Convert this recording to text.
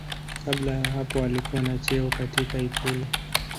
Kabla ya hapo alikuwa na cheo katika ikulu.